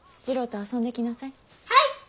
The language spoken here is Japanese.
次郎と遊んできなさい。